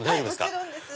もちろんです。